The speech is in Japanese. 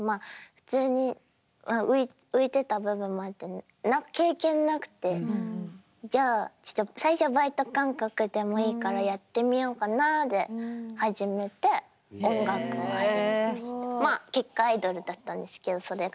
普通に浮いてた部分もあって経験なくてじゃあちょっと最初はバイト感覚でもいいからやってみようかなで始めて音楽を始めてまあ結果アイドルだったんですけどそれが。